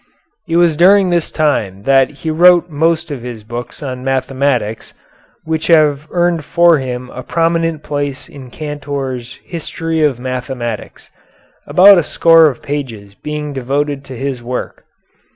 It was during this time that he wrote most of his books on mathematics, which have earned for him a prominent place in Cantor's "History of Mathematics," about a score of pages being devoted to his work.